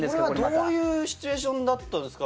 どういうシチュエーションだったんですか？